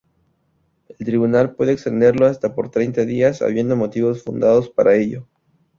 El tribunal puede extenderlo hasta por treinta días, habiendo motivos fundados para ello.